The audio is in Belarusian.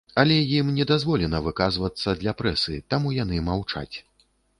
Але ім не дазволена выказвацца для прэсы, таму яны маўчаць.